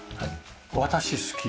私好き。